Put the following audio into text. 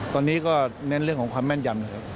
ตอนนี้ก็เน้นเรื่องของความแม่นยำนะครับ